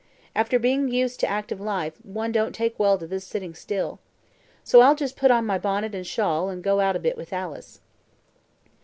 After being used to active life, one don't take well to this sitting still. So I'll just put on my bonnet and shawl and go out a bit with Alice."